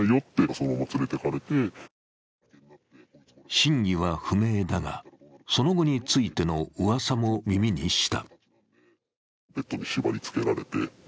真偽は不明だが、その後についてのうわさも耳にした。